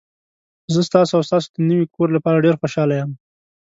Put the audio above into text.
زه ستاسو او ستاسو د نوي کور لپاره ډیر خوشحاله یم.